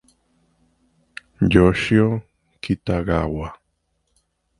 Yoshio Kitagawa